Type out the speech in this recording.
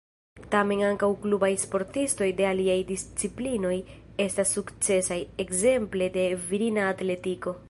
Tamen ankaŭ klubaj sportistoj de aliaj disciplinoj estas sukcesaj, ekzemple de virina atletiko.